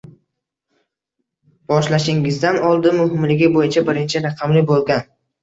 Boshlashingizdan oldin muhimligi bo’yicha birinchi raqamli bo’lgan